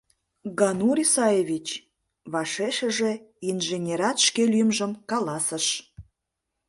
— Ганур Исаевич, — вашешыже инженерат шке лӱмжым каласыш.